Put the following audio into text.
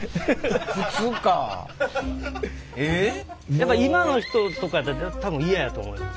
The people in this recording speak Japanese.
やっぱ今の人とかやったら多分嫌やと思います。